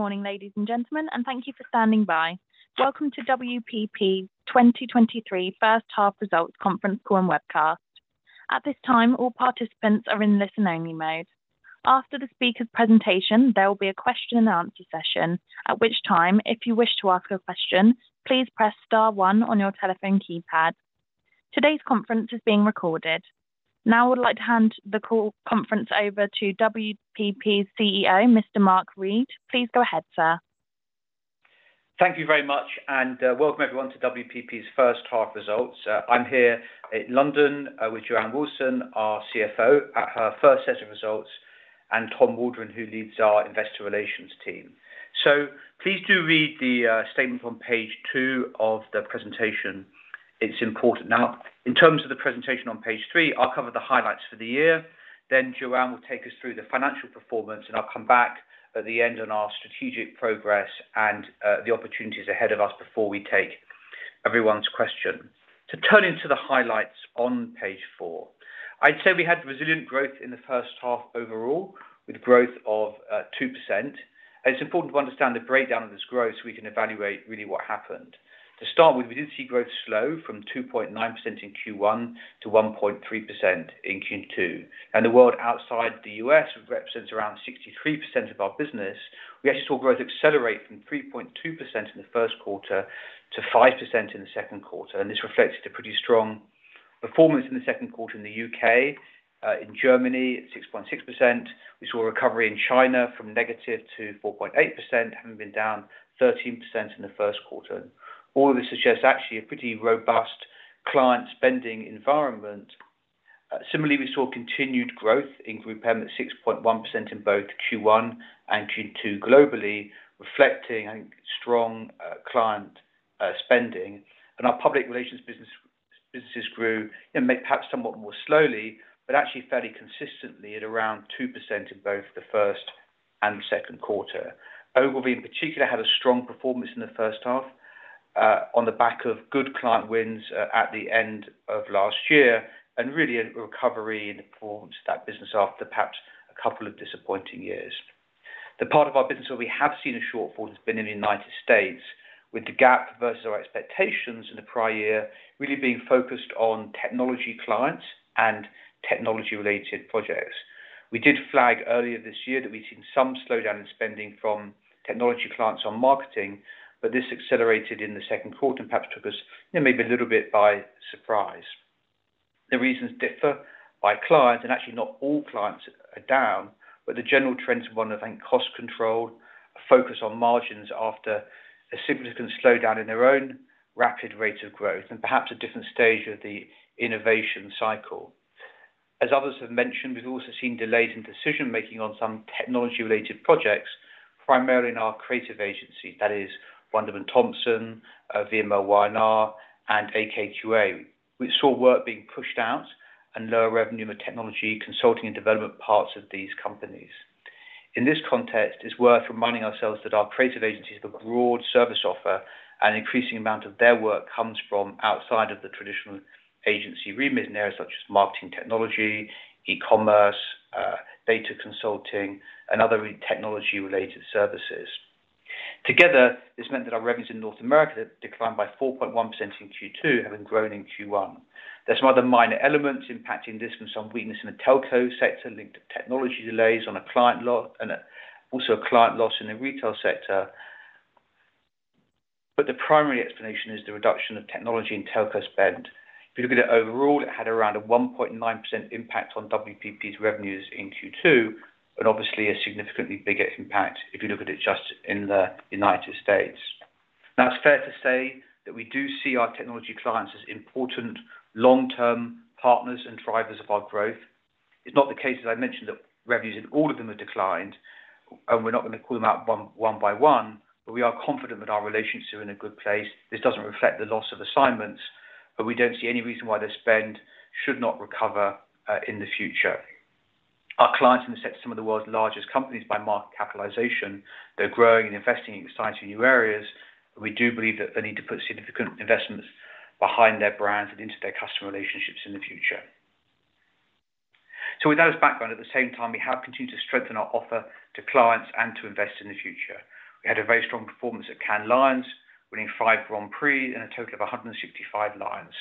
Good morning, ladies and gentlemen, and thank you for standing by. Welcome to WPP's 2023 first half results conference call and webcast. At this time, all participants are in listen-only mode. After the speaker's presentation, there will be a question and answer session, at which time, if you wish to ask a question, please press star one on your telephone keypad. Today's conference is being recorded. Now I would like to hand the call conference over to WPP's CEO, Mr. Mark Read. Please go ahead, sir. Thank you very much, and welcome everyone to WPP's first half results. I'm here in London with Joanne Wilson, our CFO, at her first set of results, and Tom Waldron, who leads our Investor Relations team. Please do read the statement on page 2 of the presentation. It's important. In terms of the presentation on page 3, I'll cover the highlights for the year. Joanne will take us through the financial performance, and I'll come back at the end on our strategic progress and the opportunities ahead of us before we take everyone's question. To turn into the highlights on page 4, I'd say we had resilient growth in the first half overall, with growth of 2%. It's important to understand the breakdown of this growth, so we can evaluate really what happened. To start with, we did see growth slow from 2.9% in Q1 to 1.3% in Q2. The world outside the U.S., which represents around 63% of our business, we actually saw growth accelerate from 3.2% in the first quarter to 5% in the second quarter. This reflects the pretty strong performance in the second quarter in the U.K. In Germany, at 6.6%, we saw a recovery in China from negative to 4.8%, having been down 13% in the first quarter. All of this suggests actually a pretty robust client spending environment. Similarly, we saw continued growth in GroupM at 6.1% in both Q1 and Q2, globally, reflecting a strong client spending. Our public relations business, businesses grew, you know, perhaps somewhat more slowly, but actually fairly consistently at around 2% in both the first and the second quarter. Ogilvy, in particular, had a strong performance in the first half, on the back of good client wins, at the end of last year, and really a recovery in the performance of that business after perhaps a couple of disappointing years. The part of our business where we have seen a shortfall has been in the United States, with the gap versus our expectations in the prior year, really being focused on technology clients and technology-related projects. We did flag earlier this year that we've seen some slowdown in spending from technology clients on marketing, but this accelerated in the second quarter and perhaps took us maybe a little bit by surprise. The reasons differ by client, and actually not all clients are down, but the general trends, one, I think, cost control, a focus on margins after a significant slowdown in their own rapid rates of growth and perhaps a different stage of the innovation cycle. As others have mentioned, we've also seen delays in decision-making on some technology-related projects, primarily in our creative agency, that is Wunderman Thompson, VMLY&R, and AKQA. We saw work being pushed out and lower revenue in the technology, consulting, and development parts of these companies. In this context, it's worth reminding ourselves that our creative agencies have a broad service offer, and an increasing amount of their work comes from outside of the traditional agency remit in areas such as marketing technology, e-commerce, data consulting, and other technology-related services. Together, this meant that our revenues in North America declined by 4.1% in Q2, having grown in Q1. There's some other minor elements impacting this, from some weakness in the telco sector linked to technology delays on a client loss, and also a client loss in the retail sector. The primary explanation is the reduction of technology and telco spend. You look at it overall, it had around a 1.9% impact on WPP's revenues in Q2, and obviously a significantly bigger impact if you look at it just in the United States. It's fair to say that we do see our technology clients as important long-term partners and drivers of our growth. It's not the case, as I mentioned, that revenues in all of them have declined, and we're not going to call them out one by one, but we are confident that our relationships are in a good place. This doesn't reflect the loss of assignments, but we don't see any reason why their spend should not recover in the future. Our clients in this sector are some of the world's largest companies by market capitalization. They're growing and investing in exciting new areas, but we do believe that they need to put significant investments behind their brands and into their customer relationships in the future. With that as background, at the same time, we have continued to strengthen our offer to clients and to invest in the future. We had a very strong performance at Cannes Lions, winning five Grand Prix and a total of 165 Lions.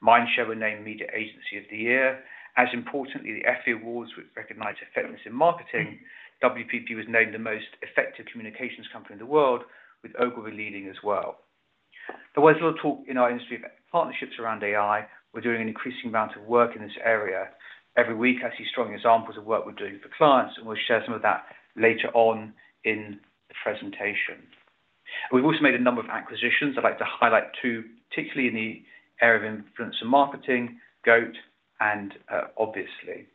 Mindshare were named Media Agency of the Year. As importantly, the Effie Awards, which recognize effectiveness in marketing, WPP was named the most effective communications company in the world, with Ogilvy leading as well. There was a lot of talk in our industry about partnerships around AI. We're doing an increasing amount of work in this area. Every week, I see strong examples of work we're doing for clients, and we'll share some of that later on in the presentation. We've also made a number of acquisitions. I'd like to highlight two, particularly in the area of influence and marketing, Goat and Obviously.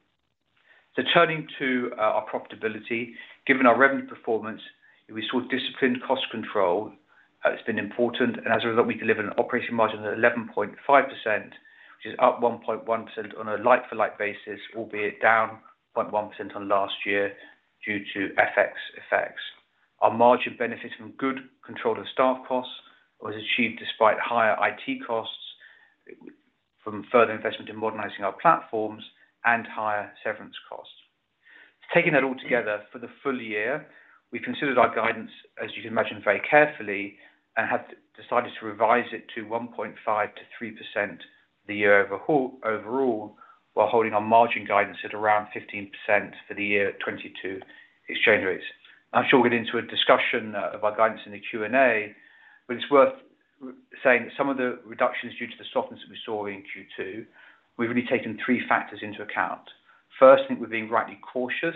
Turning to our profitability, given our revenue performance, we saw disciplined cost control, it's been important, and as a result, we delivered an operating margin of 11.5%, which is up 1.1% on a like-for-like basis, albeit down 0.1% on last year due to FX effects. Our margin benefited from good control of staff costs, was achieved despite higher IT costs from further investment in modernizing our platforms and higher severance costs. Taking that all together for the full year, we considered our guidance, as you can imagine, very carefully, and have decided to revise it to 1.5%-3% the year overall, while holding our margin guidance at around 15% for the year 2022 exchange rates. I'm sure we'll get into a discussion about guidance in the Q&A, but it's worth saying that some of the reductions due to the softness that we saw in Q2, we've really taken three factors into account. First, I think we're being rightly cautious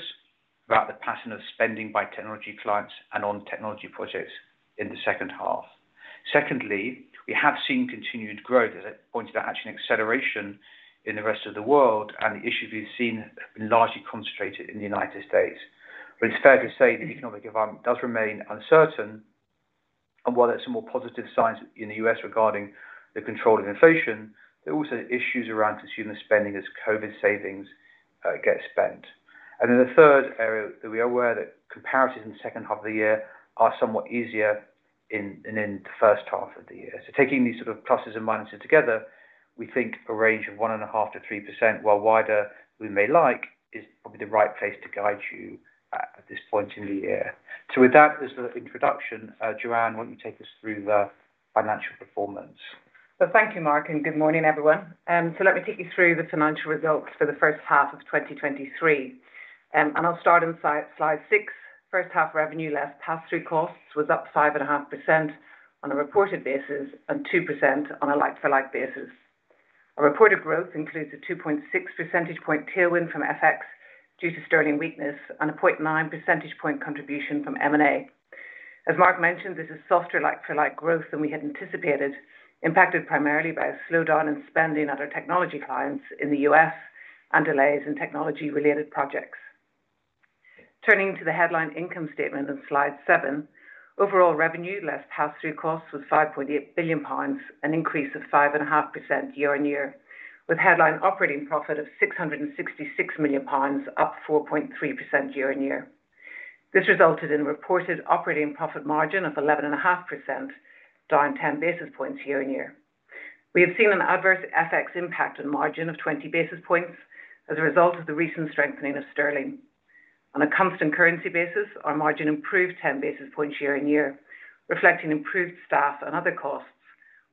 about the pattern of spending by technology clients and on technology projects in the second half. Secondly, we have seen continued growth, as I pointed out, actually an acceleration in the rest of the world, and the issues we've seen have been largely concentrated in the United States. It's fair to say the economic environment does remain uncertain, and while there's some more positive signs in the U.S. regarding the control of inflation, there are also issues around consumer spending as COVID savings get spent. Then the third area that we are aware that comparatives in the second half of the year are somewhat easier in, than in the first half of the year. Taking these sort of pluses and minuses together, we think a range of 1.5%-3%, while wider we may like, is probably the right place to guide you at this point in the year. With that as the introduction, Joanne, why don't you take us through the financial performance? Thank you, Mark, and good morning, everyone. Let me take you through the financial results for the first half of 2023. I'll start on slide VI. First half revenue, less pass-through costs, was up 5.5% on a reported basis and 2% on a like-for-like basis. Our reported growth includes a 2.6 percentage point tailwind from FX due to sterling weakness and a 0.9 percentage point contribution from M&A. As Mark mentioned, this is softer like-for-like growth than we had anticipated, impacted primarily by a slowdown in spending at our technology clients in the U.S. and delays in technology-related projects. Turning to the headline income statement on slide VII, overall revenue, less pass-through costs, was 5.8 billion pounds, an increase of 5.5% year-on-year, with headline operating profit of 666 million pounds, up +4.3% year-on-year. This resulted in a reported operating profit margin of 11.5%, down 10 basis points year-on-year. We have seen an adverse FX impact on margin of 20 basis points as a result of the recent strengthening of sterling. On a constant currency basis, our margin improved 10 basis points year-on-year, reflecting improved staff and other costs,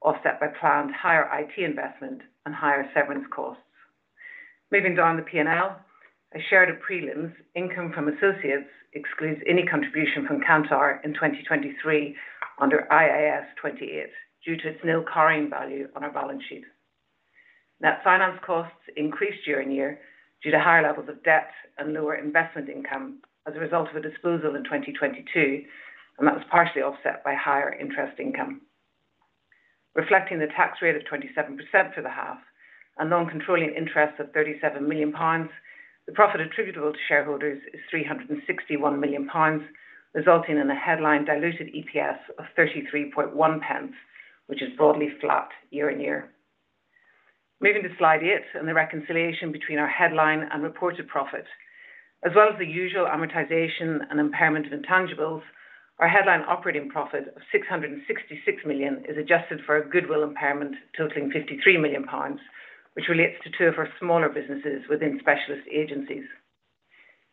offset by planned higher IT investment and higher severance costs. Moving down the P&L, as shared at prelims, income from associates excludes any contribution from Kantar in 2023 under IAS 28, due to its nil carrying value on our balance sheet. Net finance costs increased year-over-year due to higher levels of debt and lower investment income as a result of a disposal in 2022. That was partially offset by higher interest income. Reflecting the tax rate of 27% for the half and non-controlling interest of GBP 37 million, the profit attributable to shareholders is GBP 361 million, resulting in a headline diluted EPS of 0.331, which is broadly flat year-over-year. Moving to slide VIII and the reconciliation between our headline and reported profit, as well as the usual amortization and impairment of intangibles, our headline operating profit of 666 million is adjusted for a goodwill impairment totaling 53 million pounds, which relates to 2 of our smaller businesses within specialist agencies.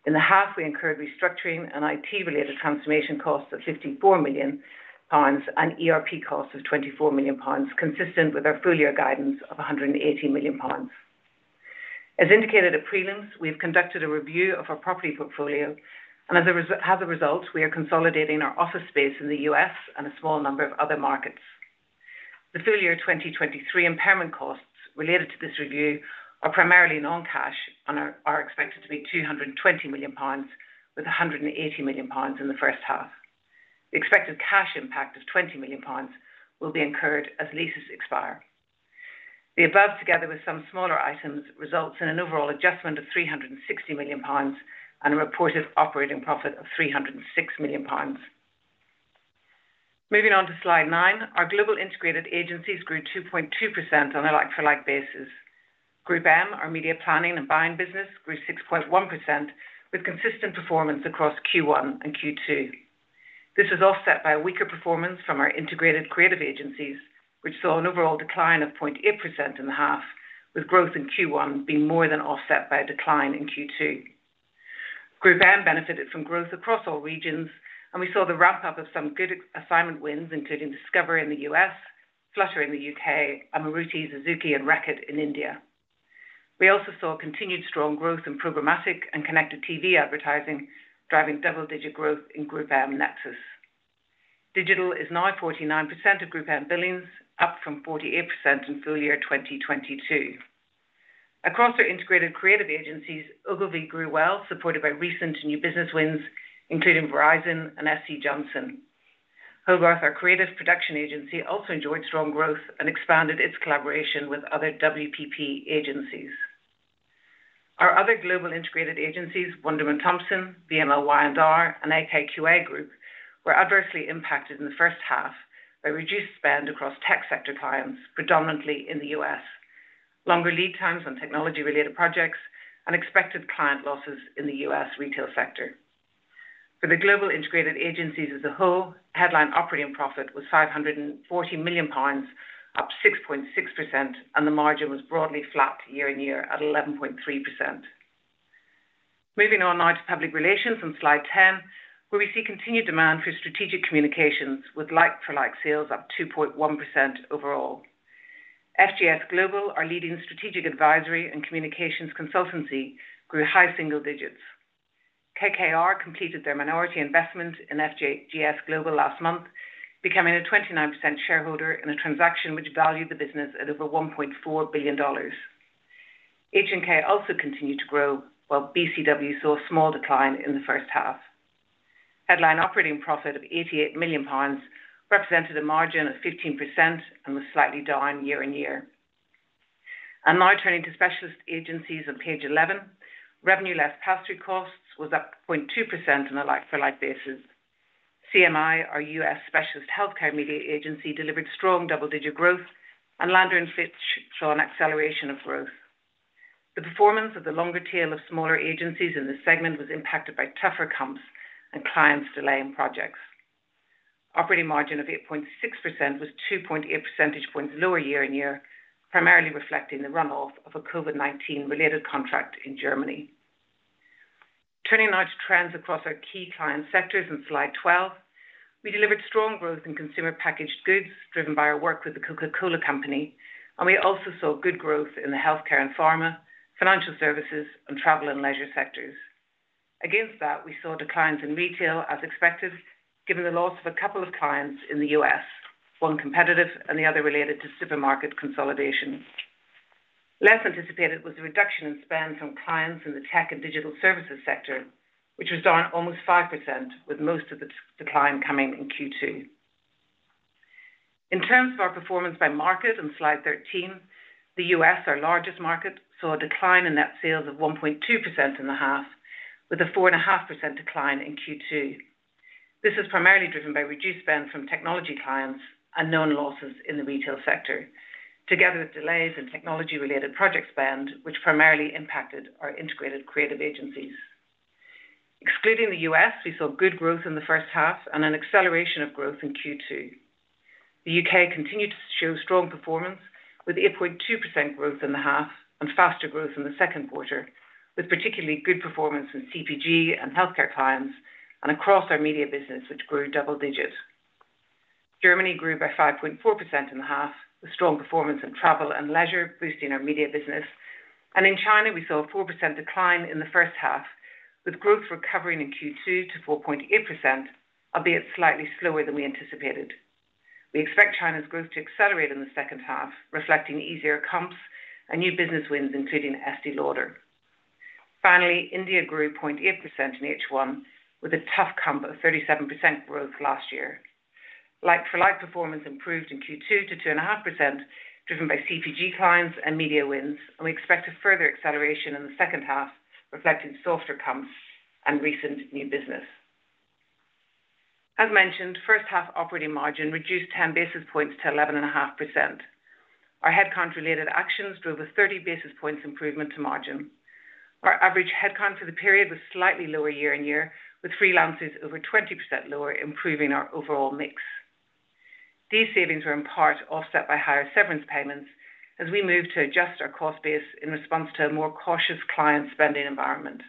In the half, we incurred restructuring and IT-related transformation costs of 54 million pounds and ERP costs of 24 million pounds, consistent with our full year guidance of 180 million pounds. As indicated at prelims, we have conducted a review of our property portfolio, and as a result, we are consolidating our office space in the U.S. and a small number of other markets. The full year 2023 impairment costs related to this review are primarily non-cash and are expected to be 220 million pounds, with 180 million pounds in the first half. The expected cash impact of 20 million pounds will be incurred as leases expire. The above, together with some smaller items, results in an overall adjustment of 360 million pounds and a reported operating profit of 306 million pounds. Moving on to slide IX, our global integrated agencies grew 2.2% on a like-for-like basis. GroupM, our media planning and buying business, grew 6.1%, with consistent performance across Q1 and Q2. This is offset by a weaker performance from our integrated creative agencies, which saw an overall decline of 0.8% in the half, with growth in Q1 being more than offset by a decline in Q2. GroupM benefited from growth across all regions. We saw the ramp-up of some good assignment wins, including Discovery in the U.S., Flutter in the U.K., Maruti Suzuki, and Reckitt in India. We also saw continued strong growth in programmatic and connected TV advertising, driving double-digit growth in GroupM Nexus. Digital is now 49% of GroupM billings, up from 48% in full year 2022. Across our integrated creative agencies, Ogilvy grew well, supported by recent new business wins, including Verizon and SC Johnson. Hogarth, our creative production agency, also enjoyed strong growth and expanded its collaboration with other WPP agencies. Our other global integrated agencies, Wunderman Thompson, VMLY&R, and AKQA Group, were adversely impacted in the first half by reduced spend across tech sector clients, predominantly in the U.S., longer lead times on technology-related projects, and expected client losses in the U.S. retail sector. For the global integrated agencies as a whole, headline operating profit was 540 million pounds, up 6.6%, and the margin was broadly flat year-on-year at 11.3%. Moving on now to public relations on slide X, where we see continued demand for strategic communications, with like-for-like sales up 2.1% overall. FGS Global, our leading strategic advisory and communications consultancy, grew high single digits. KKR completed their minority investment in FGS Global last month, becoming a 29% shareholder in a transaction which valued the business at over $1.4 billion. H&K also continued to grow, while BCW saw a small decline in the first half. Headline operating profit of 88 million pounds represented a margin of 15% and was slightly down year-on-year. Now turning to specialist agencies on page 11, revenue less pass-through costs was up 0.2% on a like-for-like basis. CMI, our U.S. specialist healthcare media agency, delivered strong double-digit growth, and Landor & Fitch saw an acceleration of growth. The performance of the longer tail of smaller agencies in this segment was impacted by tougher comps and clients delaying projects. Operating margin of 8.6% was 2.8 percentage points lower year-on-year, primarily reflecting the runoff of a COVID-19 related contract in Germany. Turning now to trends across our key client sectors on slide XI. We delivered strong growth in consumer packaged goods, driven by our work with The Coca-Cola Company, and we also saw good growth in the healthcare and pharma, financial services, and travel and leisure sectors. Against that, we saw declines in retail as expected, given the loss of a couple of clients in the U.S., one competitive and the other related to supermarket consolidation. Less anticipated was a reduction in spend from clients in the tech and digital services sector, which was down almost 5%, with most of the decline coming in Q2. In terms of our performance by market on slide XIII, the U.S., our largest market, saw a decline in net sales of 1.2% in the half, with a 4.5% decline in Q2. This was primarily driven by reduced spend from technology clients and known losses in the retail sector, together with delays in technology-related project spend, which primarily impacted our integrated creative agencies. Excluding the U.S., we saw good growth in the first half and an acceleration of growth in Q2. The U.K. continued to show strong performance, with 8.2% growth in the half and faster growth in the second quarter, with particularly good performance in CPG and healthcare clients and across our media business, which grew double digits. Germany grew by 5.4% in the half, with strong performance in travel and leisure, boosting our media business. In China, we saw a 4% decline in the first half, with growth recovering in Q2 to 4.8%, albeit slightly slower than we anticipated. We expect China's growth to accelerate in the second half, reflecting easier comps and new business wins, including Estée Lauder. Finally, India grew 0.8% in H1, with a tough comp of 37% growth last year. Like-for-like performance improved in Q2 to 2.5%, driven by CPG clients and media wins. We expect a further acceleration in the second half, reflecting softer comps and recent new business. As mentioned, first half operating margin reduced 10 basis points to 11.5%. Our headcount-related actions drove a 30 basis points improvement to margin. Our average headcount for the period was slightly lower year-on-year, with freelances over 20% lower, improving our overall mix. These savings were in part offset by higher severance payments as we moved to adjust our cost base in response to a more cautious client spending environment.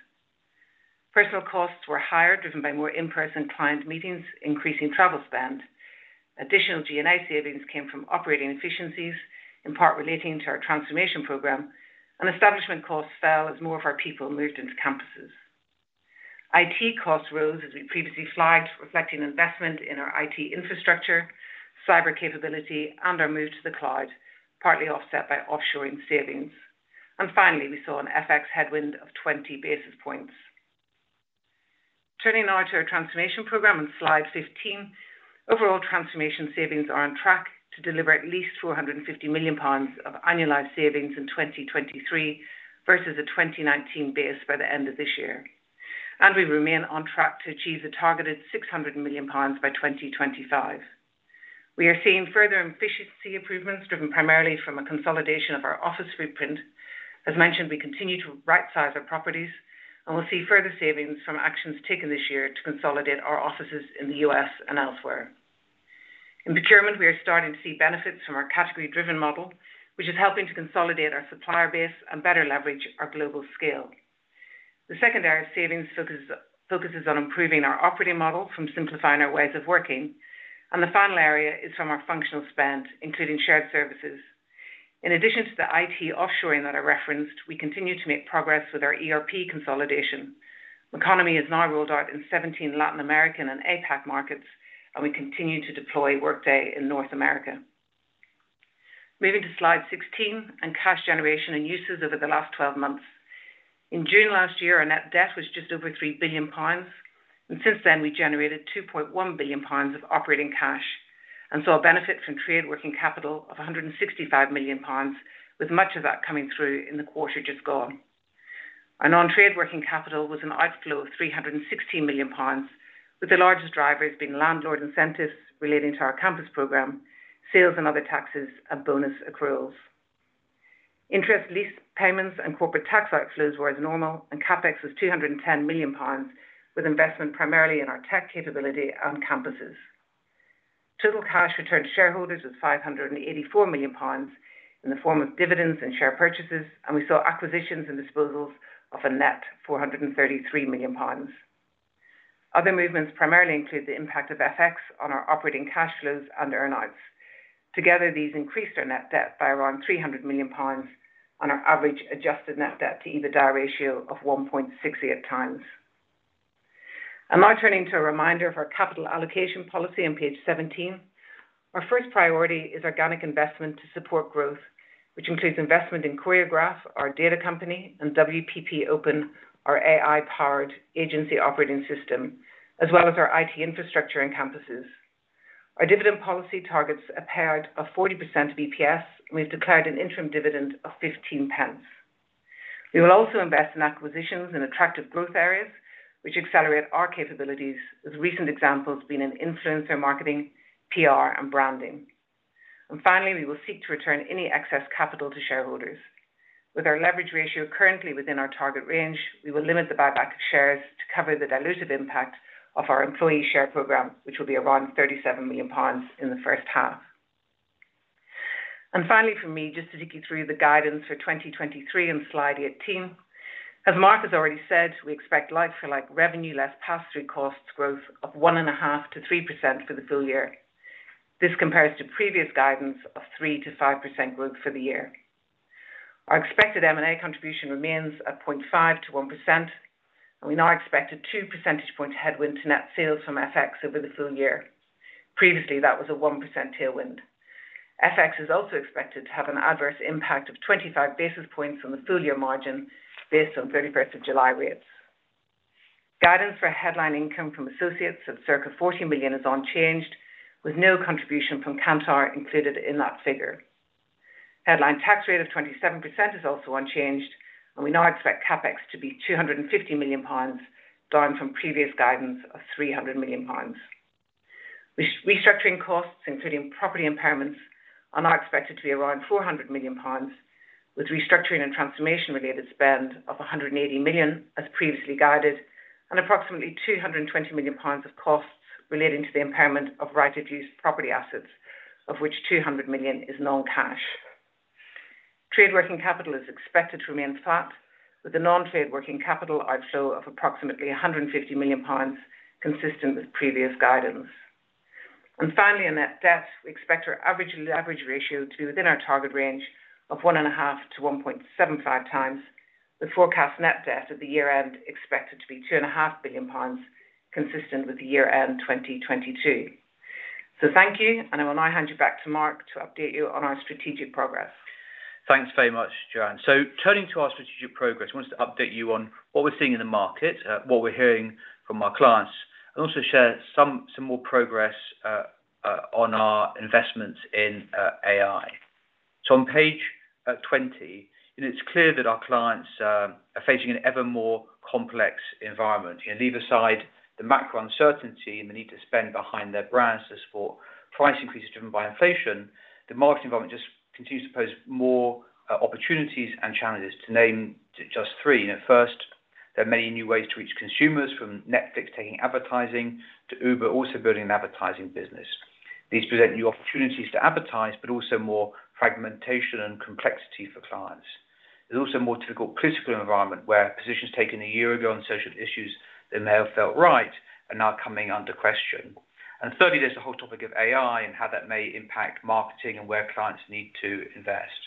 Personal costs were higher, driven by more in-person client meetings, increasing travel spend. Additional G&A savings came from operating efficiencies, in part relating to our transformation program, establishment costs fell as more of our people moved into campuses. IT costs rose, as we previously flagged, reflecting investment in our IT infrastructure, cyber capability, and our move to the cloud, partly offset by offshoring savings. Finally, we saw an FX headwind of 20 basis points. Turning now to our transformation program on slide XV. Overall transformation savings are on track to deliver at least 450 million pounds of annualized savings in 2023 versus a 2019 base by the end of this year, and we remain on track to achieve the targeted 600 million pounds by 2025. We are seeing further efficiency improvements, driven primarily from a consolidation of our office footprint. As mentioned, we continue to rightsize our properties, and we'll see further savings from actions taken this year to consolidate our offices in the U.S. and elsewhere. In procurement, we are starting to see benefits from our category-driven model, which is helping to consolidate our supplier base and better leverage our global scale. The secondary savings focus, focuses on improving our operating model from simplifying our ways of working, and the final area is from our functional spend, including shared services. In addition to the IT offshoring that I referenced, we continue to make progress with our ERP consolidation. Economy is now rolled out in 17 Latin American and APAC markets, and we continue to deploy Workday in North America. Moving to slide XVI, and cash generation and uses over the last 12 months. In June last year, our net debt was just over 3 billion pounds, and since then, we generated 2.1 billion pounds of operating cash and saw a benefit from trade working capital of 165 million pounds, with much of that coming through in the quarter just gone. Our non-trade working capital was an outflow of 360 million pounds, with the largest drivers being landlord incentives relating to our campus program, sales and other taxes, and bonus accruals. Interest, lease payments, and corporate tax out flows were as normal. CapEx was 210 million pounds, with investment primarily in our tech capability and campuses. Total cash returned to shareholders was 584 million pounds in the form of dividends and share purchases. We saw acquisitions and disposals of a net 433 million pounds. Other movements primarily include the impact of FX on our operating cash flows and earn outs. Together, these increased our net debt by around 300 million pounds on our average adjusted net debt to EBITDA ratio of 1.68 times. I'm now turning to a reminder of our capital allocation policy on page 17. Our first priority is organic investment to support growth, which includes investment in Choreograph, our data company, and WPP Open, our AI-powered agency operating system, as well as our IT infrastructure and campuses. Our dividend policy targets a payout of 40% of EPS, we've declared an interim dividend of 15 pence. We will also invest in acquisitions in attractive growth areas, which accelerate our capabilities, with recent examples being in influencer marketing, PR, and branding. Finally, we will seek to return any excess capital to shareholders. With our leverage ratio currently within our target range, we will limit the buyback of shares to cover the dilutive impact of our employee share program, which will be around 37 million pounds in the first half. Finally, for me, just to take you through the guidance for 2023 on slide XVIII. As Mark has already said, we expect like-for-like revenue, less pass-through costs growth of 1.5%-3% for the full year. This compares to previous guidance of 3%-5% growth for the year. Our expected M&A contribution remains at 0.5%-1%, and we now expect a 2 percentage point headwind to net sales from FX over the full year. Previously, that was a 1% tailwind. FX is also expected to have an adverse impact of 25 basis points on the full year margin, based on 31st July rates. Guidance for headline income from associates of circa 40 million is unchanged, with no contribution from Kantar included in that figure. Headline tax rate of 27% is also unchanged. We now expect CapEx to be 250 million pounds, down from previous guidance of 300 million pounds. Restructuring costs, including property impairments, are now expected to be around 400 million pounds, with restructuring and transformation-related spend of 180 million, as previously guided, and approximately 220 million pounds of costs relating to the impairment of right-of-use property assets, of which 200 million is non-cash. Trade working capital is expected to remain flat, with a non-trade working capital outflow of approximately 150 million pounds, consistent with previous guidance. Finally, in net debt, we expect our average ratio to within our target range of 1.5-1.75 times, with forecast net debt at the year-end expected to be 2.5 billion pounds, consistent with the year-end 2022. Thank you, and I will now hand you back to Mark to update you on our strategic progress. Thanks very much, Joanne. Turning to our strategic progress, I wanted to update you on what we're seeing in the market, what we're hearing from our clients, and also share some, some more progress on our investments in AI. On page 20, it's clear that our clients are facing an evermore complex environment. Leave aside the macro uncertainty and the need to spend behind their brands to support price increases driven by inflation, the market environment just continues to pose more opportunities and challenges, to name just three. First, there are many new ways to reach consumers, from Netflix taking advertising to Uber, also building an advertising business. These present new opportunities to advertise, but also more fragmentation and complexity for clients. There's also a more difficult political environment where positions taken a year ago on social issues that may have felt right are now coming under question. Thirdly, there's the whole topic of AI and how that may impact marketing and where clients need to invest.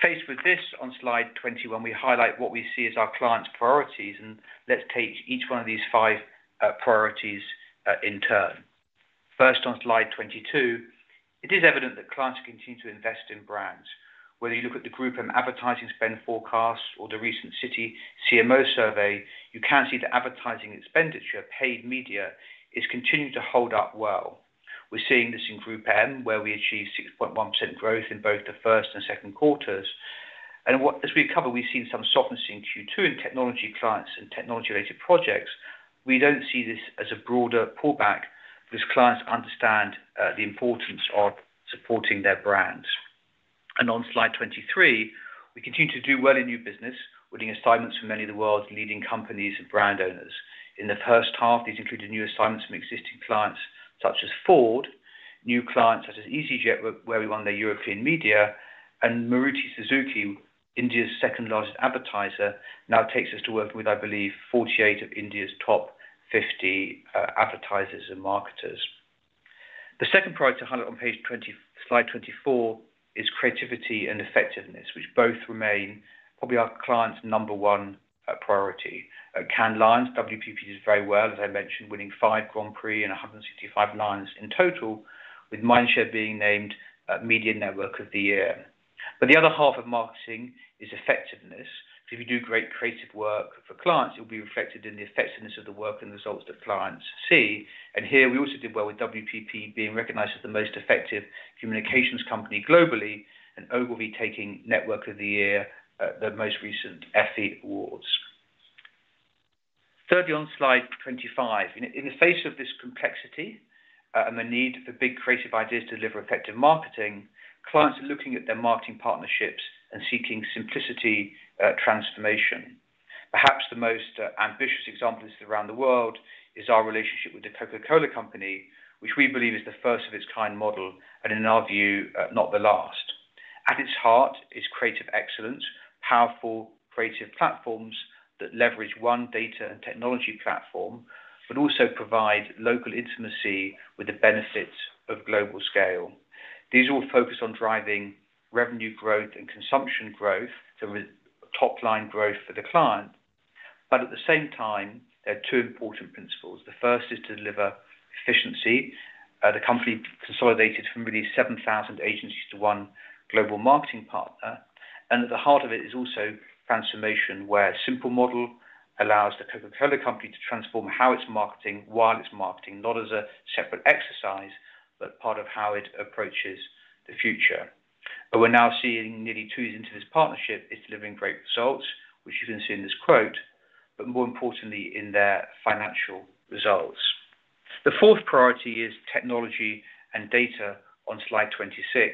Faced with this, on slide XXI, we highlight what we see as our clients' priorities, and let's take each one of these 5 priorities in turn. First, on slide XXII, it is evident that clients continue to invest in brands. Whether you look at the GroupM advertising spend forecast or the recent Citi CMO Survey, you can see that advertising expenditure, paid media, is continuing to hold up well. We're seeing this in GroupM, where we achieved 6.1% growth in both the first and second quarters. As we've covered, we've seen some softness in Q2 in technology clients and technology-related projects. We don't see this as a broader pullback, because clients understand the importance of supporting their brands. On slide XXIII, we continue to do well in new business, winning assignments from many of the world's leading companies and brand owners. In the first half, these included new assignments from existing clients such as Ford, new clients such as easyJet, where we won their European media, and Maruti Suzuki, India's second-largest advertiser, now takes us to working with, I believe, 48 of India's top 50 advertisers and marketers. The second priority to highlight on slide XXIV is creativity and effectiveness, which both remain probably our clients' number one priority. At Cannes Lions, WPP did very well, as I mentioned, winning 5 Grand Prix and 165 Lions in total, with Mindshare being named Media Network of the Year. The other half of marketing is effectiveness. If you do great creative work for clients, it will be reflected in the effectiveness of the work and the results that clients see. Here we also did well with WPP being recognized as the Most Effective Communications Company globally, and Ogilvy taking Network of the Year at the most recent Effie Awards. Thirdly, on slide XXV. In the face of this complexity, and the need for big creative ideas to deliver effective marketing, clients are looking at their marketing partnerships and seeking simplicity, transformation. Perhaps the most ambitious example around the world is our relationship with The Coca-Cola Company, which we believe is the first of its kind model, and in our view, not the last. At its heart is creative excellence, powerful creative platforms that leverage one data and technology platform, but also provide local intimacy with the benefits of global scale. These all focus on driving revenue growth and consumption growth, so top-line growth for the client, but at the same time, there are two important principles: the first is to deliver efficiency. The company consolidated from really 7,000 agencies to one global marketing partner, and at the heart of it is also transformation, where a simple model allows The Coca-Cola Company to transform how it's marketing while it's marketing, not as a separate exercise, but part of how it approaches the future. We're now seeing nearly 2 years into this partnership, it's delivering great results, which you can see in this quote, but more importantly, in their financial results. The fourth priority is technology and data on slide XXVI,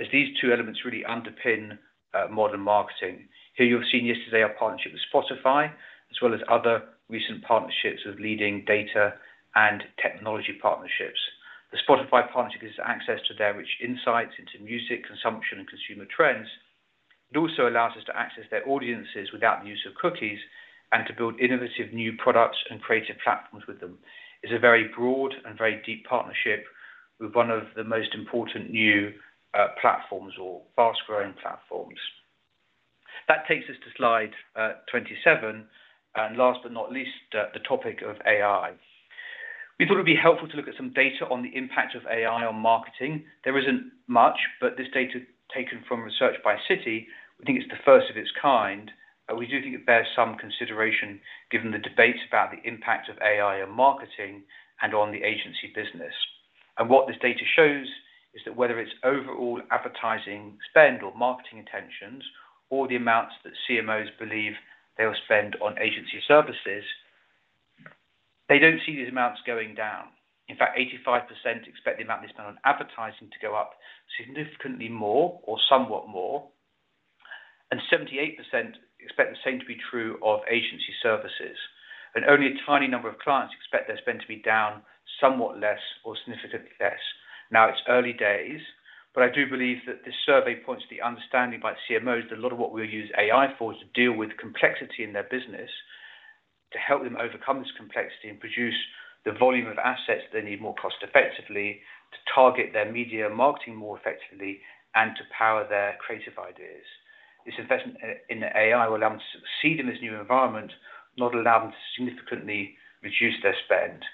as these two elements really underpin modern marketing. Here you've seen yesterday our partnership with Spotify, as well as other recent partnerships with leading data and technology partnerships. The Spotify partnership gives us access to their rich insights into music consumption and consumer trends. It also allows us to access their audiences without the use of cookies and to build innovative new products and creative platforms with them. It's a very broad and very deep partnership with one of the most important new platforms or fast-growing platforms. That takes us to slide XXVII, and last but not least, the topic of AI. We thought it'd be helpful to look at some data on the impact of AI on marketing. This data taken from research by Citi, we think it's the first of its kind, but we do think it bears some consideration, given the debates about the impact of AI on marketing and on the agency business. What this data shows is that whether it's overall advertising spend or marketing intentions, or the amounts that CMOs believe they will spend on agency services, they don't see these amounts going down. In fact, 85% expect the amount they spend on advertising to go up significantly more or somewhat more, and 78% expect the same to be true of agency services. Only a tiny number of clients expect their spend to be down, somewhat less or significantly less. It's early days, but I do believe that this survey points to the understanding by CMOs that a lot of what we'll use AI for is to deal with complexity in their business, to help them overcome this complexity and produce the volume of assets they need more cost effectively, to target their media marketing more effectively, and to power their creative ideas. This investment in AI will allow them to succeed in this new environment, not allow them to significantly reduce their spend.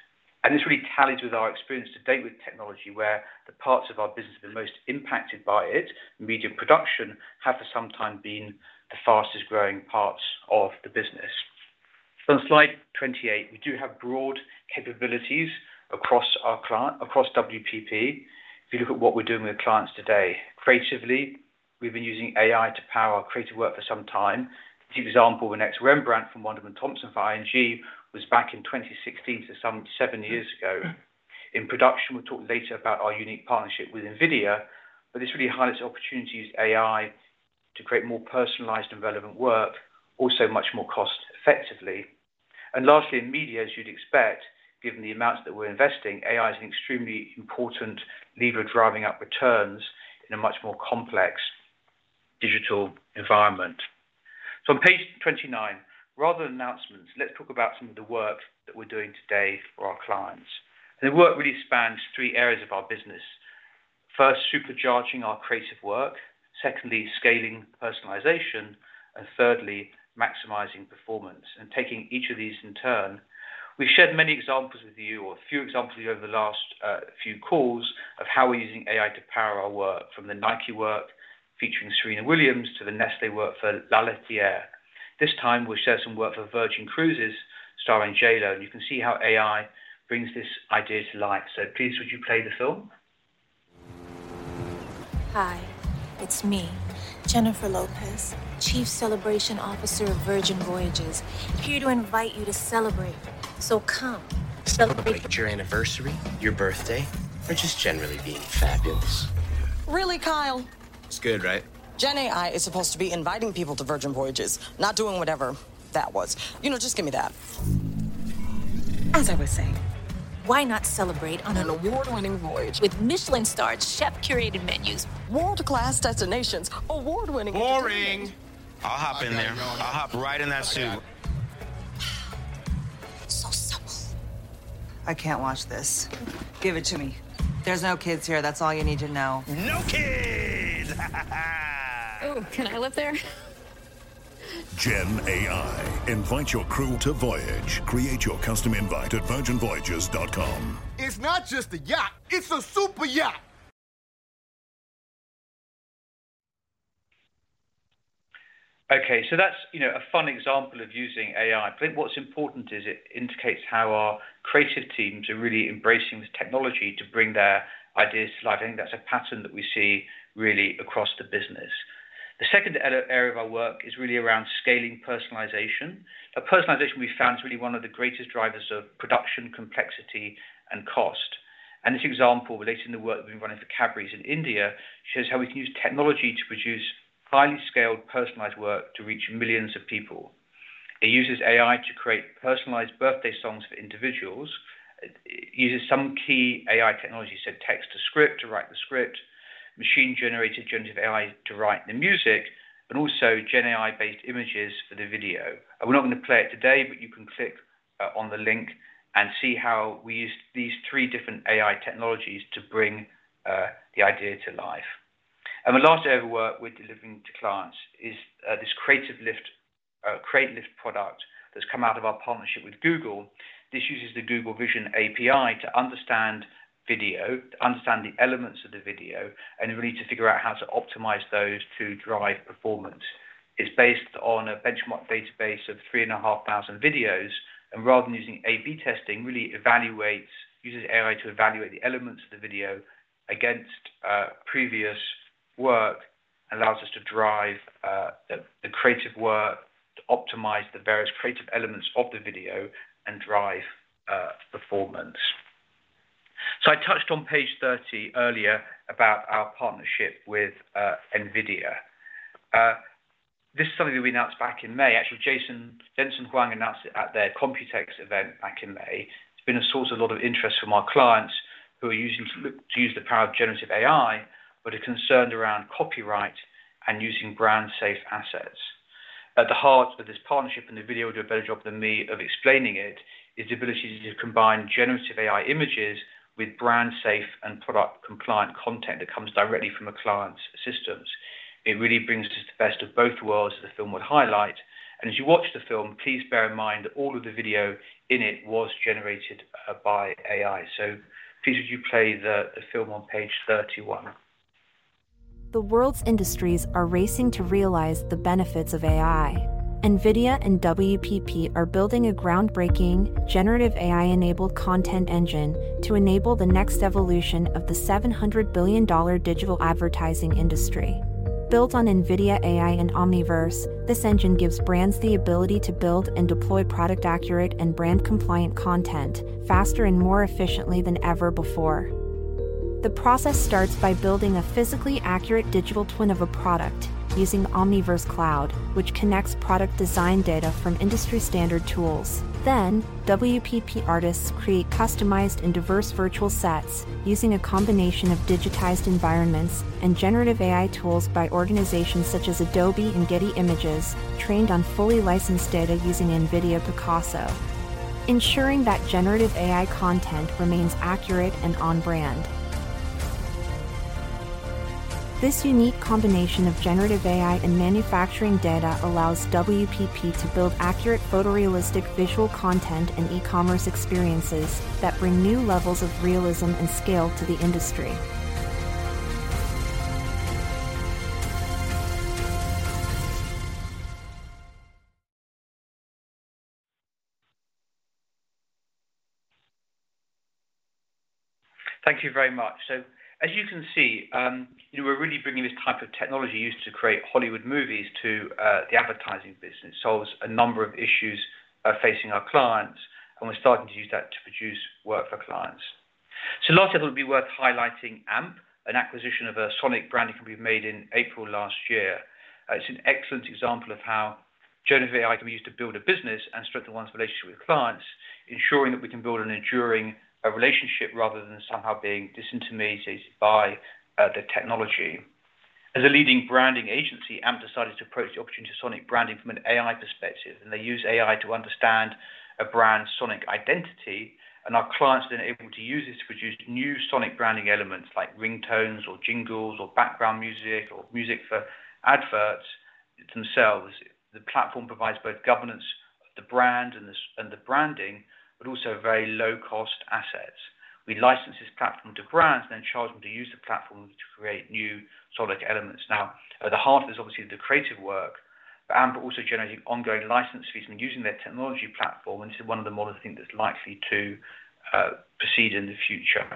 This really tallies with our experience to date with technology, where the parts of our business have been most impacted by it, media production, have for some time been the fastest-growing parts of the business. On slide XXVIII, we do have broad capabilities across our client, across WPP. If you look at what we're doing with clients today, creatively, we've been using AI to power our creative work for some time. To give example, The Next Rembrandt from Wunderman Thompson for ING was back in 2016, so some 7 years ago. In production, we'll talk later about our unique partnership with NVIDIA, this really highlights the opportunity to use AI to create more personalized and relevant work, also much more cost effectively. Lastly, in media, as you'd expect, given the amounts that we're investing, AI is an extremely important lever driving up returns in a much more complex digital environment. On page 29, rather than announcements, let's talk about some of the work that we're doing today for our clients. The work really spans 3 areas of our business. First, supercharging our creative work, secondly, scaling personalization, and thirdly, maximizing performance. Taking each of these in turn, we've shared many examples with you or a few examples with you over the last few calls of how we're using AI to power our work, from the Nike work featuring Serena Williams to the Nestlé work for La Laitière. This time, we'll share some work for Virgin Cruises starring J.Lo, and you can see how AI brings this idea to light. Please, would you play the film? Hi, it's me, Jennifer Lopez, Chief Celebration Officer of Virgin Voyages, here to invite you to celebrate. Come, celebrate.... Celebrate your anniversary, your birthday, or just generally being fabulous. Really, Kyle? It's good, right? Gen AI is supposed to be inviting people to Virgin Voyages, not doing whatever that was. You know, just give me that. As I was saying, why not celebrate on an award-winning voyage with Michelin-starred chef-curated menus, world-class destinations, award-winning entertainment... Boring! I'll hop in there. I'll hop right in that suit. Subtle. I can't watch this. Give it to me. There's no kids here. That's all you need to know. No kids. Ooh, can I live there? Gen AI, invite your crew to voyage. Create your custom invite at virginvoyages.com. It's not just a yacht, it's a superyacht! Okay, that's, you know, a fun example of using AI. I think what's important is it indicates how our creative teams are really embracing the technology to bring their ideas to life. I think that's a pattern that we see really across the business. The second area of our work is really around scaling personalization. Personalization we found is really one of the greatest drivers of production, complexity, and cost. This example relating to the work that we've been running for Cadbury in India, shows how we can use technology to produce highly scaled, personalized work to reach millions of people. It uses AI to create personalized birthday songs for individuals. It uses some key AI technologies, so text-to-script to write the script, machine-generated gen AI to write the music, and also gen AI-based images for the video. We're not going to play it today, but you can click on the link and see how we used these three different AI technologies to bring the idea to life. The last area of work we're delivering to clients is this Creative Lift, Creative Lift product that's come out of our partnership with Google. This uses the Google Vision API to understand video, to understand the elements of the video, and really to figure out how to optimize those to drive performance. It's based on a benchmark database of 3,500 videos, and rather than using A/B testing, really evaluates uses AI to evaluate the elements of the video against previous work, allows us to drive the creative work to optimize the various creative elements of the video and drive performance. I touched on page 30 earlier about our partnership with NVIDIA. This is something that we announced back in May. Actually, Jason Jensen Huang announced it at their Computex event back in May. It's been a source of a lot of interest from our clients who are using to use the power of generative AI, but are concerned around copyright and using brand safe assets. At the heart of this partnership, the video will do a better job than me of explaining it, is the ability to combine generative AI images with brand safe and product-compliant content that comes directly from a client's systems. It really brings us the best of both worlds, as the film would highlight. As you watch the film, please bear in mind that all of the video in it was generated by AI. Peter, would you play the, the film on page 31? The world's industries are racing to realize the benefits of AI. NVIDIA and WPP are building a groundbreaking generative AI-enabled content engine to enable the next evolution of the $700 billion digital advertising industry. Built on NVIDIA AI and Omniverse, this engine gives brands the ability to build and deploy product-accurate and brand-compliant content faster and more efficiently than ever before. The process starts by building a physically accurate digital twin of a product using Omniverse Cloud, which connects product design data from industry-standard tools. Then, WPP artists create customized and diverse virtual sets using a combination of digitized environments and generative AI tools by organizations such as Adobe and Getty Images, trained on fully licensed data using NVIDIA Picasso, ensuring that generative AI content remains accurate and on brand. This unique combination of generative AI and manufacturing data allows WPP to build accurate photorealistic visual content and e-commerce experiences that bring new levels of realism and scale to the industry. Thank you very much. As you can see, we're really bringing this type of technology used to create Hollywood movies to the advertising business. Solves a number of issues, facing our clients, and we're starting to use that to produce work for clients. Lastly, it will be worth highlighting Amp, an acquisition of a sonic branding company we made in April last year. It's an excellent example of how generative AI can be used to build a business and strengthen one's relationship with clients, ensuring that we can build an enduring, relationship rather than somehow being disintermediated by, the technology. As a leading branding agency, Amp decided to approach the opportunity to sonic branding from an AI perspective. They use AI to understand a brand's sonic identity. Our clients have been able to use this to produce new sonic branding elements like ringtones or jingles, or background music, or music for adverts themselves. The platform provides both governance of the brand and the branding, also very low-cost assets. We license this platform to brands, charge them to use the platform to create new solid elements. At the heart is obviously the creative work, Amp also generating ongoing license fees from using their technology platform, which is one of the models I think that's likely to proceed in the future.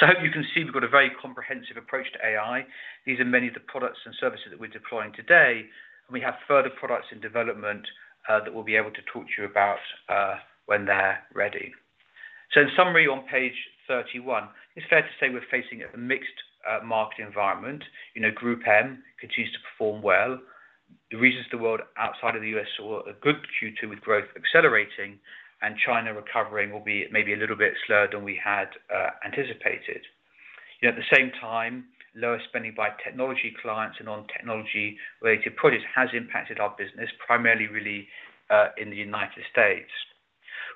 I hope you can see we've got a very comprehensive approach to AI. These are many of the products and services that we're deploying today, and we have further products in development that we'll be able to talk to you about when they're ready. In summary, on page 31, it's fair to say we're facing a mixed market environment. You know, GroupM continues to perform well. The regions of the world outside of the U.S. saw a good Q2 with growth accelerating and China recovering will be maybe a little bit slower than we had anticipated. At the same time, lower spending by technology clients and on technology-related products has impacted our business, primarily really, in the United States.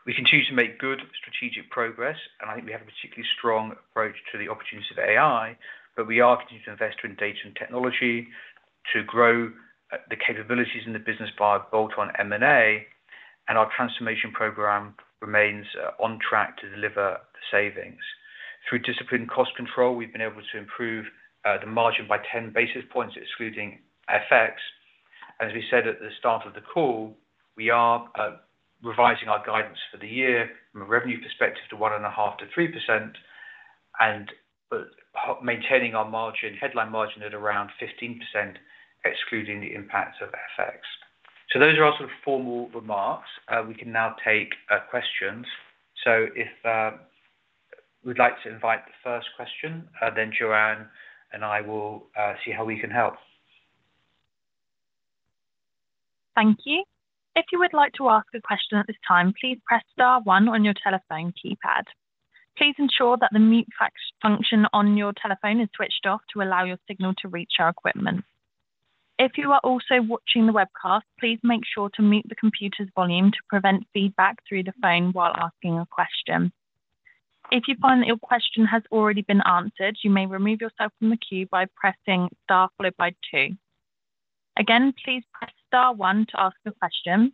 We continue to make good strategic progress, and I think we have a particularly strong approach to the opportunities of AI, but we are continuing to invest in data and technology to grow the capabilities in the business via bolt-on M&A, and our transformation program remains on track to deliver the savings. Through disciplined cost control, we've been able to improve the margin by 10 basis points, excluding FX. As we said at the start of the call, we are revising our guidance for the year from a revenue perspective to 1.5%-3%, and maintaining our margin, headline margin at around 15%, excluding the impacts of FX. Those are our sort of formal remarks. We can now take questions. We'd like to invite the first question, then Joanne and I will see how we can help. Thank you. If you would like to ask a question at this time, please press star one on your telephone keypad. Please ensure that the mute function on your telephone is switched off to allow your signal to reach our equipment. If you are also watching the webcast, please make sure to mute the computer's volume to prevent feedback through the phone while asking a question. If you find that your question has already been answered, you may remove yourself from the queue by pressing star, followed by two. Again, please press star one to ask a question.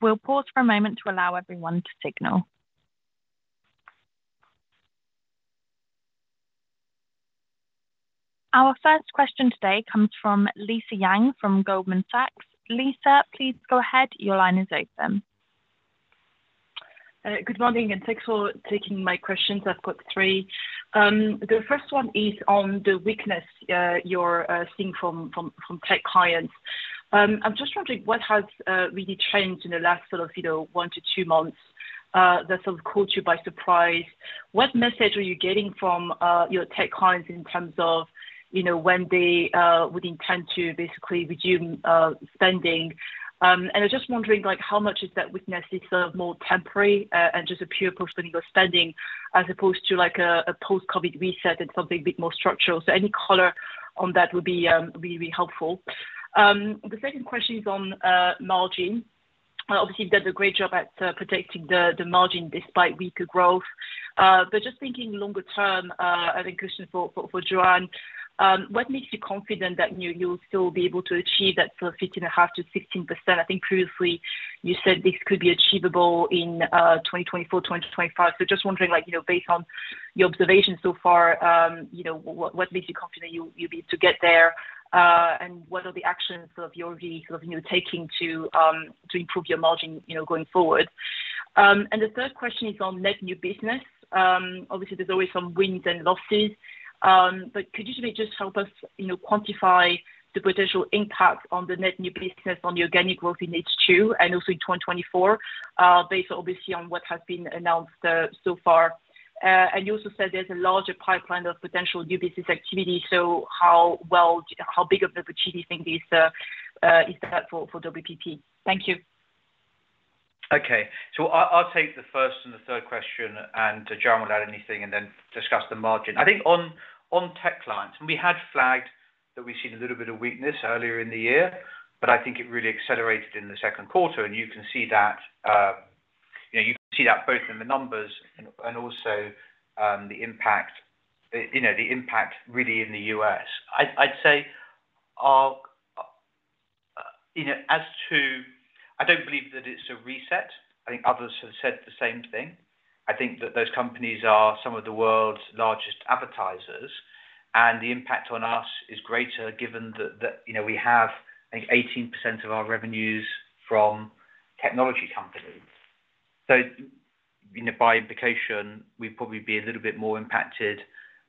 We'll pause for a moment to allow everyone to signal. Our first question today comes from Lisa Yang, from Goldman Sachs. Lisa, please go ahead. Your line is open. Good morning, thanks for taking my questions. I've got 3. The first one is on the weakness you're seeing from tech clients. I'm just wondering, what has really changed in the last sort of, you know, 1-2 months that sort of caught you by surprise? What message are you getting from your tech clients in terms of, you know, when they would intend to basically resume spending? I'm just wondering, like, how much is that weakness is sort of more temporary and just a pure postponing of spending, as opposed to, like, a post-COVID reset and something a bit more structural? Any color on that would be really, really helpful. The second question is on margin. Obviously, you've done a great job at protecting the margin despite weaker growth. Just thinking longer term, I think question for Joanne Wilson, what makes you confident that you'll still be able to achieve that sort of 15.5%-16%? I think previously, you said this could be achievable in 2024, 2025. Just wondering, like, you know, based on your observations so far, you know, what makes you confident you'll be able to get there, and what are the actions sort of you're really sort of, you know, taking to improve your margin, you know, going forward? The third question is on net new business. Obviously, there's always some wins and losses, could you maybe just help us, you know, quantify the potential impact on the net new business, on the organic growth in H2 and also in 2024, based obviously on what has been announced so far? You also said there's a larger pipeline of potential new business activity, so how big of an opportunity you think is that for WPP? Thank you. I, I'll take the first and the third question, and Joanne will add anything, and then discuss the margin. I think on, on tech clients, and we had flagged that we've seen a little bit of weakness earlier in the year, but I think it really accelerated in the second quarter, and you can see that, you know, you can see that both in the numbers and, and also, the impact, you know, the impact really in the U.S. I'd, I'd say, you know, I don't believe that it's a reset. I think others have said the same thing. I think that those companies are some of the world's largest advertisers, and the impact on us is greater, given that, that, you know, we have, I think, 18% of our revenues from technology companies. You know, by implication, we'd probably be a little bit more impacted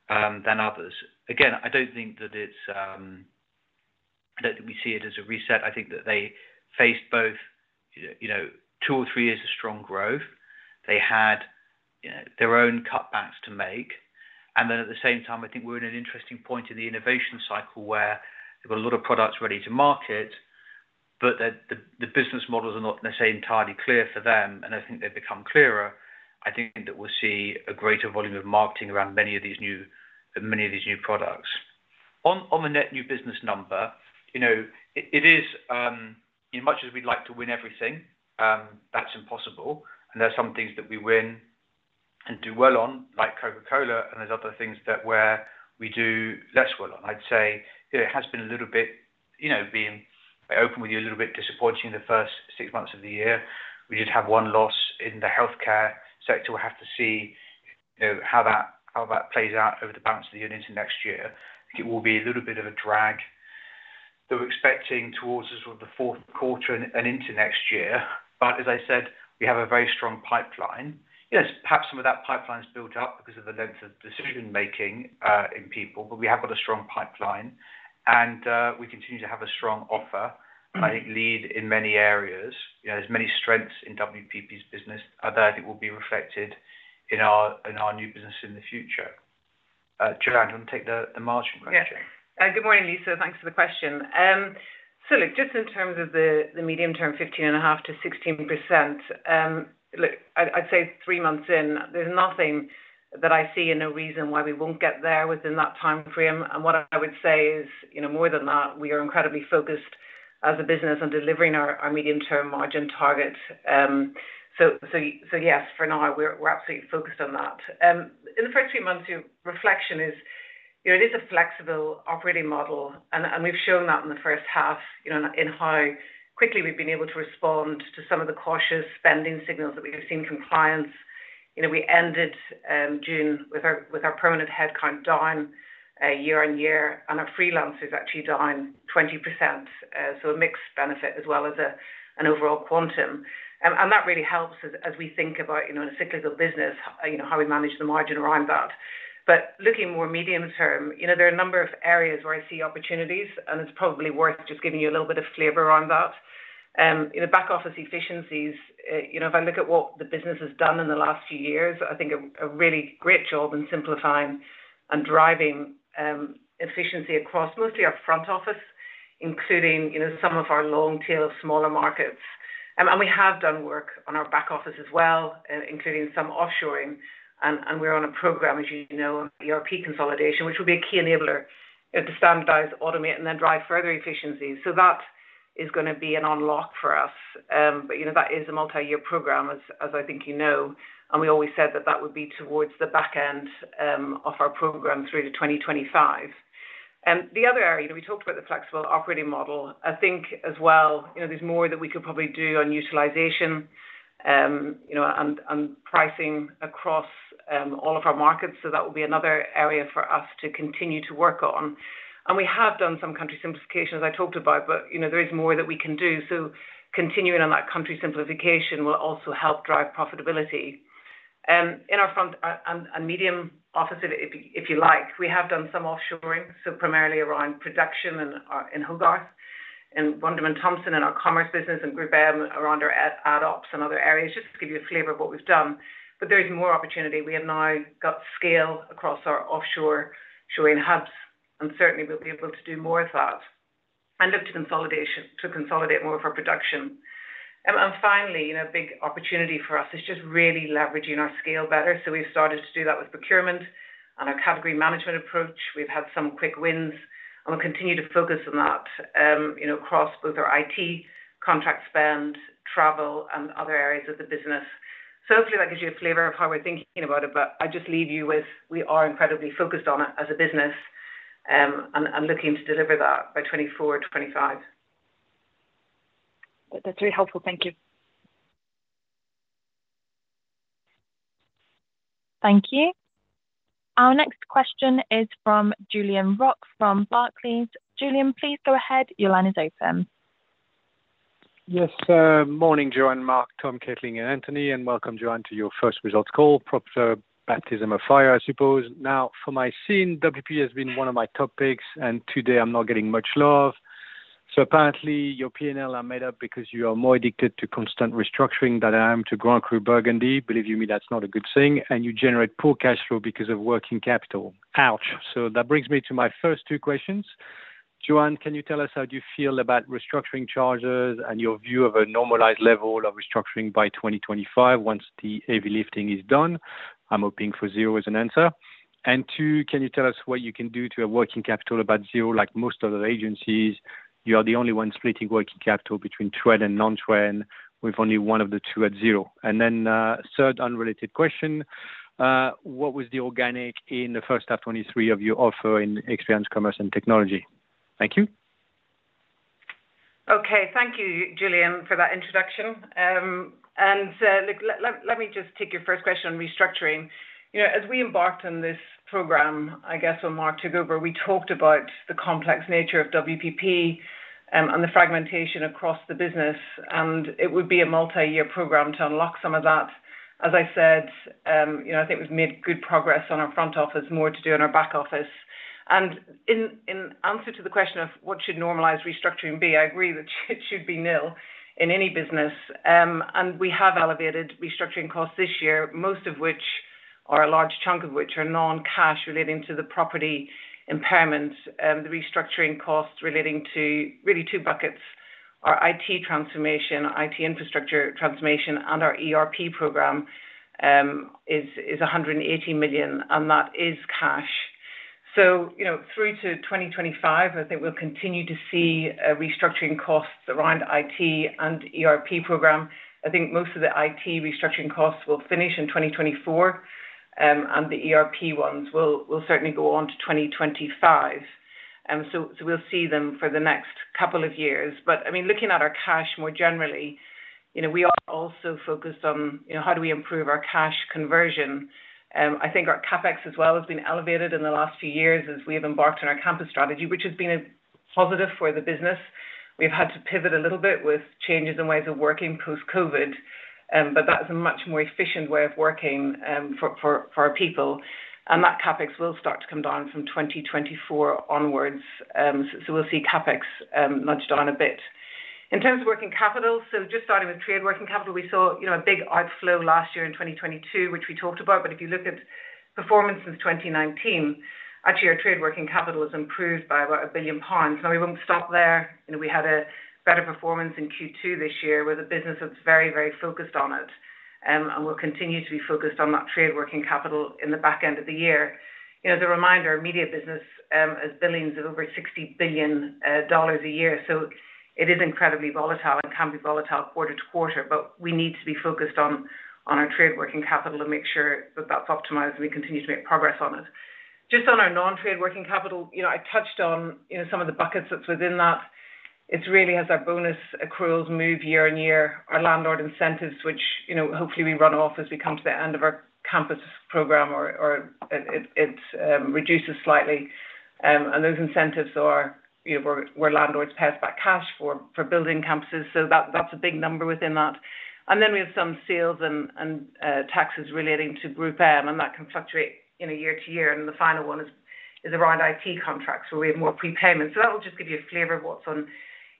than others. Again, I don't think that it's, I don't think we see it as a reset. I think that they faced both, you know, two or three years of strong growth. They had, you know, their own cutbacks to make, and then at the same time, I think we're in an interesting point in the innovation cycle where they've got a lot of products ready to market, but the business models are not necessarily entirely clear for them. I think they've become clearer. I think that we'll see a greater volume of marketing around many of these new products. On, on the net new business number, you know, it, it is, as much as we'd like to win everything, that's impossible, and there are some things that we win and do well on, like Coca-Cola, and there's other things that where we do less well on. I'd say it has been a little bit, you know, being open with you, a little bit disappointing in the first 6 months of the year. We did have 1 loss in the healthcare sector. We'll have to see, you know, how that, how that plays out over the balance of the year into next year. It will be a little bit of a drag that we're expecting towards the sort of the fourth quarter and, and into next year. As I said, we have a very strong pipeline. Yes, perhaps some of that pipeline is built up because of the length of decision-making in people, but we have got a strong pipeline, and we continue to have a strong offer, and I think lead in many areas. You know, there's many strengths in WPP's business, and that it will be reflected in our, in our new business in the future. Joanne, do you want to take the margin question? Yeah. good morning, Lisa. Thanks for the question. Look, just in terms of the, the medium-term 15.5%-16%, look, I'd, I'd say three months in, there's nothing that I see and no reason why we won't get there within that timeframe. What I would say is, you know, more than that, we are incredibly focused as a business on delivering our, our medium-term margin target. Yes, for now, we're, we're absolutely focused on that. In the first few months, your reflection is, you know, it is a flexible operating model, and, and we've shown that in the first half, you know, in how quickly we've been able to respond to some of the cautious spending signals that we have seen from clients... You know, we ended June with our, with our permanent headcount down year on year, and our freelancers actually down 20%. A mixed benefit as well as an overall quantum. That really helps as, as we think about, you know, in a cyclical business, you know, how we manage the margin around that. Looking more medium-term, you know, there are a number of areas where I see opportunities, and it's probably worth just giving you a little bit of flavor on that. In the back office efficiencies, you know, if I look at what the business has done in the last few years, I think a, a really great job in simplifying and driving efficiency across mostly our front office, including, you know, some of our long-tail smaller markets. We have done work on our back office as well, including some offshoring, and we're on a program, as you know, ERP consolidation, which will be a key enabler to standardize, automate, and then drive further efficiencies. That is gonna be an unlock for us. You know, that is a multi-year program, as I think you know, and we always said that that would be towards the back end of our program through to 2025. The other area, we talked about the flexible operating model. I think as well, you know, there's more that we could probably do on utilization, you know, on pricing across all of our markets, so that will be another area for us to continue to work on. We have done some country simplifications, I talked about, but, you know, there is more that we can do. Continuing on that country simplification will also help drive profitability. In our front, and medium office, if you like, we have done some offshoring, so primarily around production and in Hogarth, and Wunderman Thompson, in our commerce business, and GroupM around our ad ops and other areas, just to give you a flavor of what we've done. There is more opportunity. We have now got scale across our offshoring hubs, and certainly, we'll be able to do more of that and look to consolidation, to consolidate more of our production. Finally, you know, a big opportunity for us is just really leveraging our scale better. We've started to do that with procurement and our category management approach. We've had some quick wins, and we'll continue to focus on that, you know, across both our IT contract spend, travel, and other areas of the business. Hopefully that gives you a flavor of how we're thinking about it. I just leave you with, we are incredibly focused on it as a business, and, and looking to deliver that by 2024, 2025. That's very helpful. Thank you. Thank you. Our next question is from Julien Roch from Barclays. Julian, please go ahead. Your line is open. Yes, morning, Joanne, Mark, Tom, Caitlin, and Anthony, and welcome, Joanne, to your first results call. Props, baptism of fire, I suppose. For my scene, WPP has been one of my top picks, and today I'm not getting much love. Apparently, your P&L are made up because you are more addicted to constant restructuring than I am to Grand Cru Burgundy. Believe you me, that's not a good thing, you generate poor cash flow because of working capital. Ouch! That brings me to my first two questions. Joanne, can you tell us how do you feel about restructuring charges and your view of a normalized level of restructuring by 2025 once the heavy lifting is done? I'm hoping for zero as an answer. Two, can you tell us what you can do to a working capital about zero like most other agencies? You are the only one splitting working capital between trade and non-trade, with only one of the two at zero. Third, unrelated question, what was the organic in the first half 2023 of your offer in experience, commerce, and technology? Thank you. Okay. Thank you, Julian, for that introduction. Let me just take your first question on restructuring. You know, as we embarked on this program, I guess when Mark took over, we talked about the complex nature of WPP, and the fragmentation across the business, and it would be a multi-year program to unlock some of that. As I said, you know, I think we've made good progress on our front office, more to do on our back office. In answer to the question of what should normalize restructuring be, I agree that it should be nil in any business. We have elevated restructuring costs this year, most of which, or a large chunk of which, are non-cash relating to the property impairment. The restructuring costs relating to really two buckets, our IT transformation, IT infrastructure transformation, and our ERP program, is, is 180 million, and that is cash. You know, through to 2025, I think we'll continue to see restructuring costs around IT and ERP program. I think most of the IT restructuring costs will finish in 2024, and the ERP ones will, will certainly go on to 2025. So we'll see them for the next couple of years. I mean, looking at our cash more generally, you know, we are also focused on, you know, how do we improve our cash conversion? I think our CapEx as well has been elevated in the last few years as we have embarked on our campus strategy, which has been a positive for the business. We've had to pivot a little bit with changes in ways of working post-COVID, but that is a much more efficient way of working, for, for, for our people, and that CapEx will start to come down from 2024 onwards. We'll see CapEx nudged down a bit. In terms of working capital, just starting with trade working capital, we saw, you know, a big outflow last year in 2022, which we talked about. If you look at performance since 2019, actually, our trade working capital has improved by about 1 billion pounds. Now, we won't stop there. You know, we had a better performance in Q2 this year, where the business was very, very focused on it, and we'll continue to be focused on that trade working capital in the back end of the year. You know, as a reminder, our media business, is billions, of over $60 billion a year, so it is incredibly volatile and can be volatile quarter to quarter, but we need to be focused on, on our trade working capital to make sure that that's optimized, and we continue to make progress on it. Just on our non-trade working capital, you know, I touched on, you know, some of the buckets that's within that. It's really as our bonus accruals move year on year, our landlord incentives, which, you know, hopefully we run off as we come to the end of our campus program or, or it, it, it reduces slightly. And those incentives are, you know, where, where landlords pay us back cash for, for building campuses. That, that's a big number within that. Then we have some sales and taxes relating to GroupM, and that can fluctuate in a year to year. The final one is, is around IT contracts, where we have more prepayment. That will just give you a flavor of what's on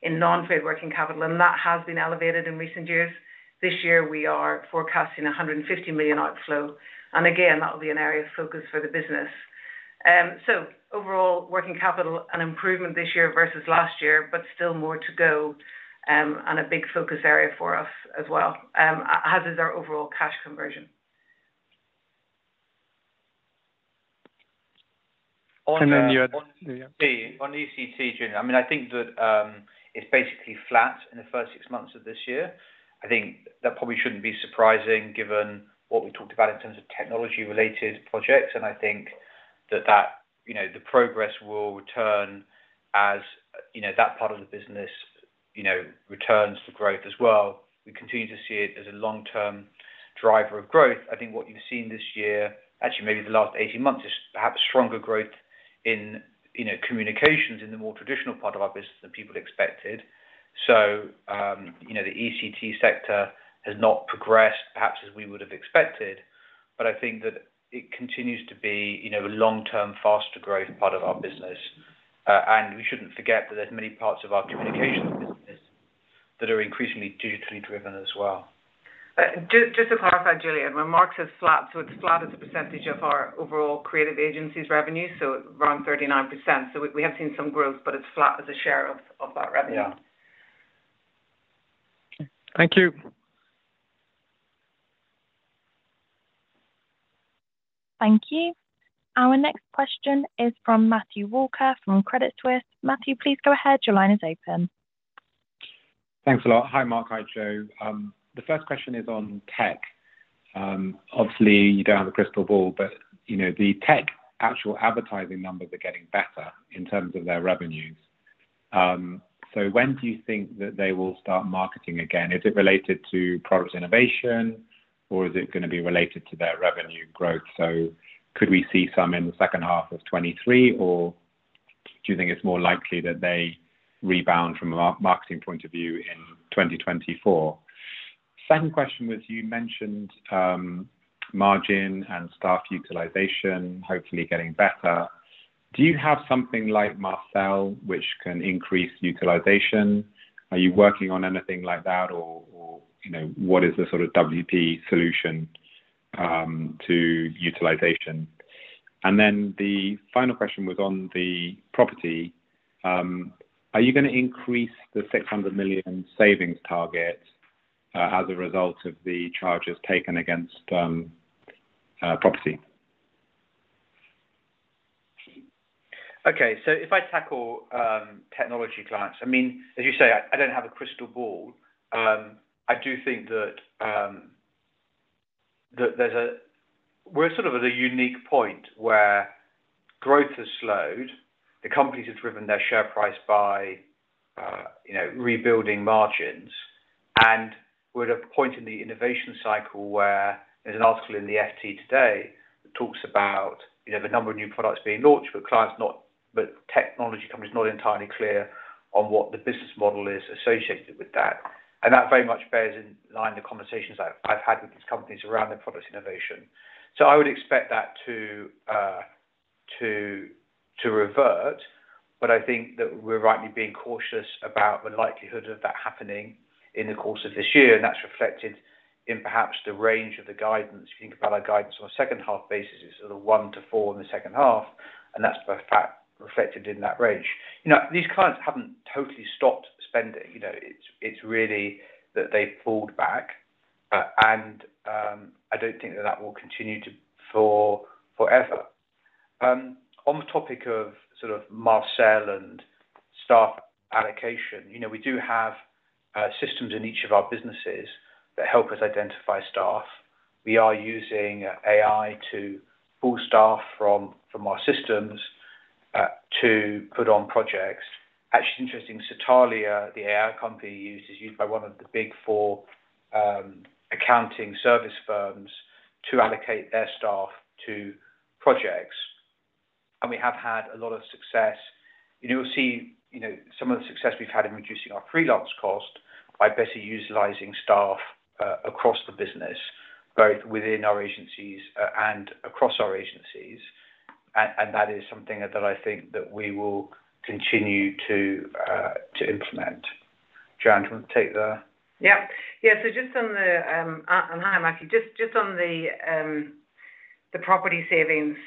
in non-trade working capital, and that has been elevated in recent years. This year, we are forecasting a 150 million outflow, and again, that will be an area of focus for the business. Overall, working capital, an improvement this year versus last year, but still more to go, and a big focus area for us as well, as is our overall cash conversion. Then you had- On ECT, Julian, I mean, I think that, it's basically flat in the first six months of this year. I think that probably shouldn't be surprising, given what we talked about in terms of technology-related projects. I think that that, you know, the progress will return as, you know, that part of the business, you know, returns to growth as well. We continue to see it as a long-term driver of growth. I think what you've seen this year, actually, maybe the last 18 months, is perhaps stronger growth in, you know, communications in the more traditional part of our business than people expected. You know, the ECT sector has not progressed, perhaps as we would have expected, but I think that it continues to be, you know, a long-term, faster growth part of our business. We shouldn't forget that there's many parts of our communications business that are increasingly digitally driven as well. Just, just to clarify, Julian, when Mark says flat, it's flat as a percentage of our overall creative agency's revenue, so around 39%. We, we have seen some growth, but it's flat as a share of, of that revenue. Yeah. Thank you. Thank you. Our next question is from Matthew Walker, from Credit Suisse. Matthew, please go ahead. Your line is open. Thanks a lot. Hi, Mark. Hi, Jo. The first question is on tech. Obviously, you don't have a crystal ball, but, you know, the tech actual advertising numbers are getting better in terms of their revenues. When do you think that they will start marketing again? Is it related to product innovation, or is it going to be related to their revenue growth? Could we see some in the second half of 2023, or do you think it's more likely that they rebound from a marketing point of view in 2024? Second question was, you mentioned margin and staff utilization, hopefully getting better. Do you have something like Marcel, which can increase utilization? Are you working on anything like that, or, you know, what is the sort of WPP solution to utilization? The final question was on the property. Are you going to increase the 600 million savings target as a result of the charges taken against property? Okay. If I tackle technology clients, I mean, as you say, I, I don't have a crystal ball. I do think that there's we're sort of at a unique point where growth has slowed. The companies have driven their share price by, you know, rebuilding margins, and we're at a point in the innovation cycle where there's an article in Financial Times today that talks about, you know, the number of new products being launched, but technology companies not entirely clear on what the business model is associated with that. That very much bears in line the conversations I've, I've had with these companies around their product innovation. I would expect that to, to, to revert, but I think that we're rightly being cautious about the likelihood of that happening in the course of this year, and that's reflected in perhaps the range of the guidance. If you think about our guidance on a second half basis, it's sort of 1-4 in the second half, and that's reflected in that range. You know, these clients haven't totally stopped spending. You know, it's, it's really that they pulled back, and I don't think that that will continue to forever. On the topic of sort of Marcel and staff allocation, you know, we do have systems in each of our businesses that help us identify staff. We are using AI to pull staff from, from our systems, to put on projects. Actually, it's interesting, Satalia, the AI company we use, is used by one of the Big Four accounting service firms to allocate their staff to projects. We have had a lot of success. You'll see, you know, some of the success we've had in reducing our freelance cost by better utilizing staff across the business, both within our agencies and across our agencies. That is something that I think that we will continue to implement. Jo, do you want to take the? Yep. Yeah, so just on the, and hi, Matthew. Just, just on the property savings.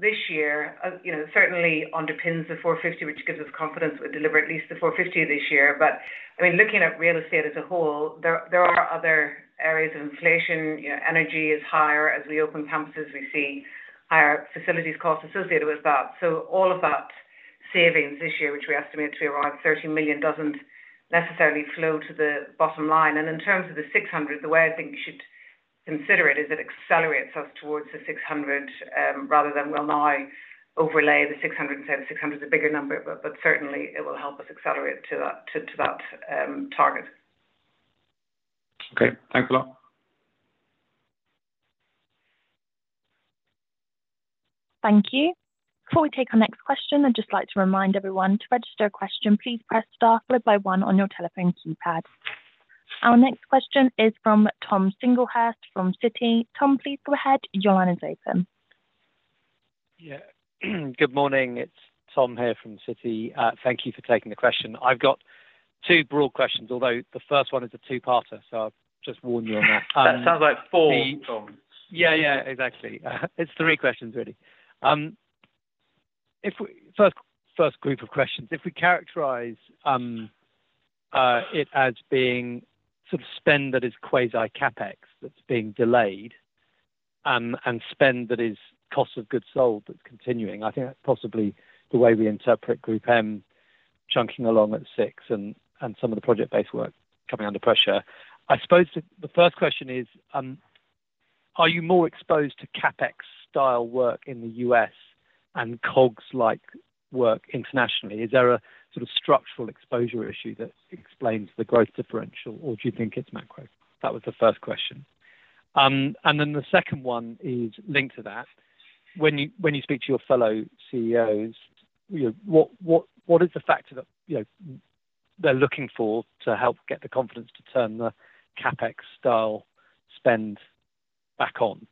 This year, you know, certainly underpins the 450, which gives us confidence we'll deliver at least the 450 this year. I mean, looking at real estate as a whole, there, there are other areas of inflation. You know, energy is higher. As we open campuses, we see higher facilities costs associated with that. All of that savings this year, which we estimate to be around 30 million, doesn't necessarily flow to the bottom line. In terms of the 600, the way I think you should-... consider it is it accelerates us towards the 600, rather than we'll now overlay the 600 and say the 600 is a bigger number, but certainly, it will help us accelerate to that, to that, target. Okay, thanks a lot. Thank you. Before we take our next question, I'd just like to remind everyone, to register a question, please press star followed by one on your telephone keypad. Our next question is from Tom Singlehurst from Citigroup. Tom, please go ahead. Joanne is open. Yeah. Good morning, it's Tom here from Citigroup. Thank you for taking the question. I've got two broad questions, although the first one is a two-parter, so I'll just warn you on that. That sounds like four, Tom. Yeah, yeah, exactly. It's 3 questions, really. If we characterize it as being sort of spend that is quasi CapEx that's being delayed, and spend that is Cogs, that's continuing. I think that's possibly the way we interpret GroupM chunking along at 6 and some of the project-based work coming under pressure. I suppose the first question is, are you more exposed to CapEx-style work in the U.S. and Cogs-like work internationally? Is there a sort of structural exposure issue that explains the growth differential, or do you think it's macro? That was the first question. Then the second one is linked to that. When you, when you speak to your fellow CEOs, what is the factor that they're looking for to help get the confidence to turn the CapEx-style spend back on?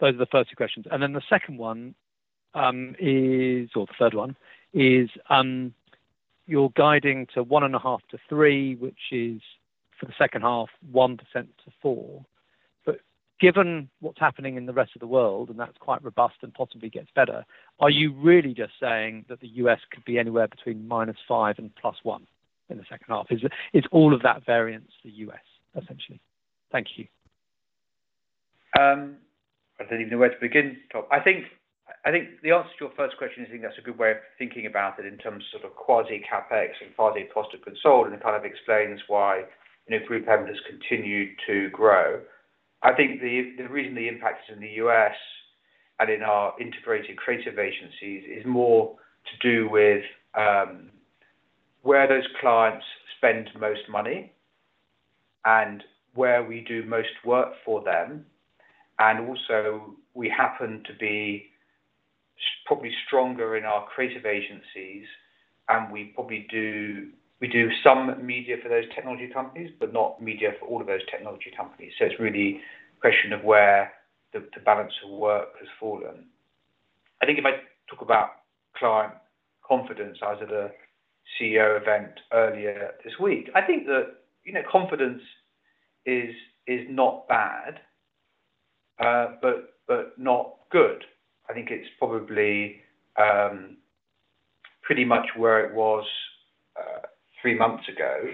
Those are the first two questions. Then the second one is, or the third one, is, you're guiding to 1.5%-3%, which is for the second half, 1%-4%. Given what's happening in the rest of the world, and that's quite robust and possibly gets better, are you really just saying that the U.S. could be anywhere between -5% and +1% in the second half? Is all of that variance the U.S., essentially? Thank you. I don't even know where to begin, Tom. I think, I think the answer to your first question, I think that's a good way of thinking about it in terms of sort of quasi CapEx and quasi cost of goods sold, and it kind of explains why, you know, GroupM has continued to grow. I think the, the reason the impact is in the U.S. and in our integrated creative agencies is more to do with where those clients spend most money and where we do most work for them, and also we happen to be probably stronger in our creative agencies, and we probably we do some media for those technology companies, but not media for all of those technology companies. It's really a question of where the, the balance of work has fallen. I think you might talk about client confidence. I was at a CEO event earlier this week. I think that, you know, confidence is, is not bad, but, but not good. I think it's probably pretty much where it was 3 months ago.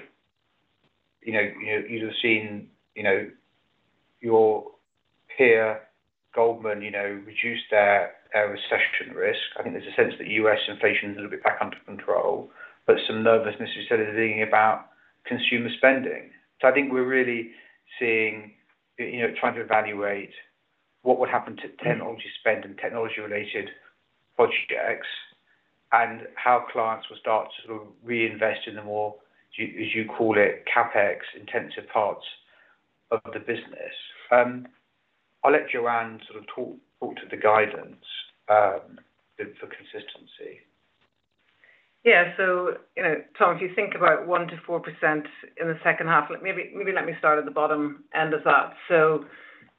You know, you, you have seen, you know, your peer, Goldman, you know, reduce their, their recession risk. I think there's a sense that U.S. inflation is a little bit back under control, but some nervousness instead of thinking about consumer spending. I think we're really seeing, you know, trying to evaluate what would happen to technology spend and technology-related projects, and how clients will start to reinvest in the more, as you call it, CapEx-intensive parts of the business. I'll let Joanne sort of talk, talk to the guidance for consistency. Yeah. You know, Tom, if you think about 1%-4% in the second half, maybe, maybe let me start at the bottom end of that.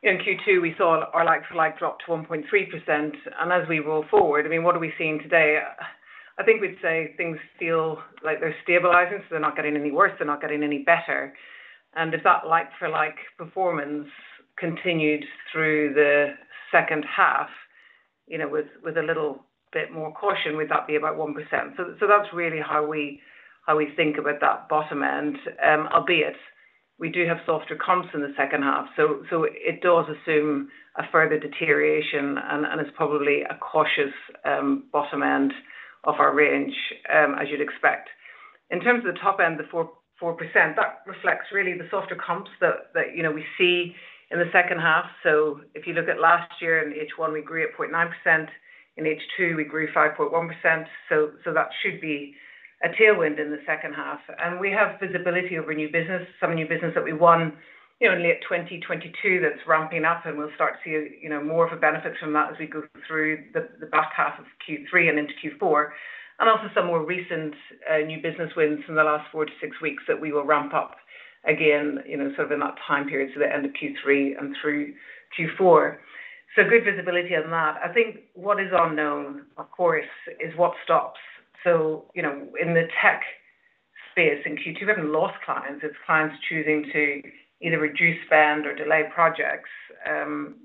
In Q2, we saw our like-for-like drop to 1.3%, and as we roll forward, I mean, what are we seeing today? I think we'd say things feel like they're stabilizing, so they're not getting any worse, they're not getting any better. If that like-for-like performance continued through the second half, you know, with, with a little bit more caution, would that be about 1%? That's really how we, how we think about that bottom end, albeit we do have softer comps in the second half. It does assume a further deterioration, and it's probably a cautious bottom end of our range, as you'd expect. In terms of the top end, the 4.4%, that reflects really the softer comps that, that, you know, we see in the second half. If you look at last year in H1, we grew at 0.9%, in H2, we grew 5.1%, so, so that should be a tailwind in the second half. We have visibility over new business, some new business that we won, you know, only at 2022, that's ramping up, and we'll start to see, you know, more of a benefit from that as we go through the, the back half of Q3 and into Q4. Also some more recent new business wins from the last 4-6 weeks that we will ramp up again, you know, sort of in that time period, so the end of Q3 and through Q4. Good visibility on that. I think what is unknown, of course, is what stops. You know, in the tech space in Q2, we haven't lost clients, it's clients choosing to either reduce spend or delay projects,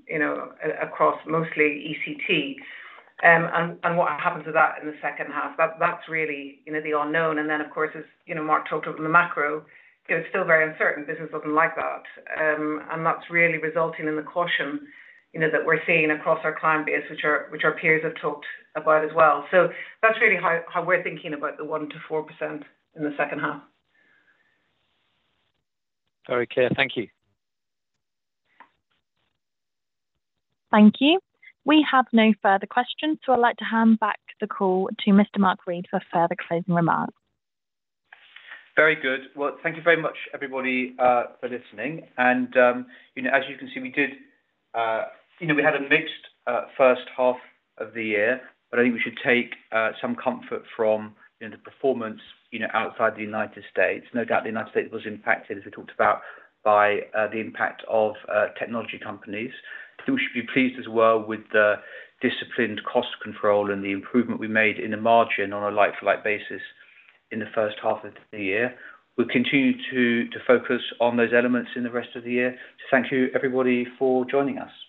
you know, across mostly ECT. What happens to that in the second half? That, that's really, you know, the unknown. Then, of course, as you know, Mark talked about the macro, it's still very uncertain. Business doesn't like that. That's really resulting in the caution, you know, that we're seeing across our client base, which our, which our peers have talked about as well. That's really how, how we're thinking about the 1% to 4% in the second half. Very clear. Thank you. Thank you. We have no further questions, so I'd like to hand back the call to Mr. Mark Read for further closing remarks. Very good. Well, thank you very much, everybody, for listening. You know, as you can see, we did, you know, we had a mixed first half of the year, but I think we should take some comfort from, you know, the performance, you know, outside the United States. No doubt, the United States was impacted, as we talked about, by the impact of technology companies. I think we should be pleased as well with the disciplined cost control and the improvement we made in the margin on a like-for-like basis in the first half of the year. We'll continue to, to focus on those elements in the rest of the year. Thank you, everybody, for joining us.